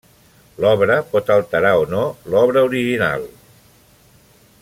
L'obra pot alterar o no l'obra l'original.